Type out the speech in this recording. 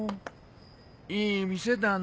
いい店だな。